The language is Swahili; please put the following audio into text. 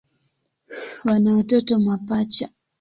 Wana watoto mapacha.